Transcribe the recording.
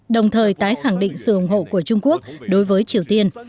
đồng thời tái khẳng định sự ủng hộ của trung quốc đối với triều tiên